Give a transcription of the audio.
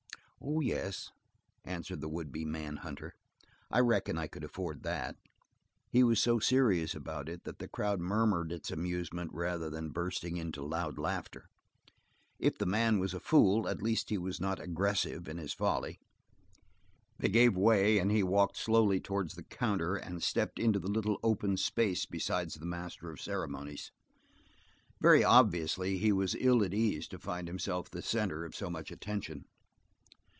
"Oh, yes," answered the would be man hunter, "I reckon I could afford that." He was so serious about it that the crowd murmured its amusement instead of bursting into loud laughter. If the man was a fool, at least he was not aggressive in his folly. They gave way and he walked slowly towards the counter and stepped into the little open space beside the master of ceremonies. Very obviously he was ill at ease to find himself the center of so much attention.